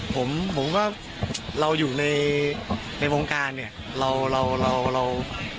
ผมผมว่าเราอยู่ในวงการเนี่ยเราเราเรา